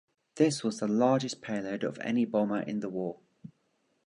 This was the largest payload of any bomber in the war.